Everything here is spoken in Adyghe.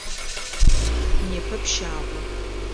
Непэ пщагъо.